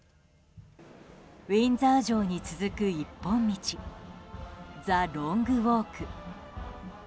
ウィンザー城に続く一本道ザ・ロングウォーク。